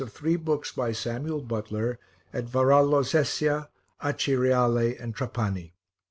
of three books by Samuel Butler at Varallo Sesia_, Aci Reale and Trapani.